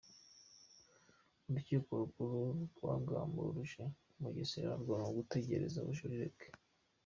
Urukiko Rukuru rwagamburuje Mugesera rwanga gutegereza ubujurire bwe